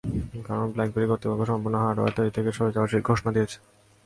কারণ, ব্ল্যাকবেরি কর্তৃপক্ষ সম্প্রতি হার্ডওয়্যার তৈরি থেকে সরে যাওয়ার ঘোষণা দিয়েছে।